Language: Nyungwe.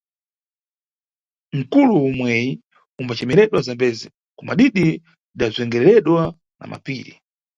Nkulo umweyi umbacemeredwa Zambezi, kumadidi lidazvengereredwa na mapiri.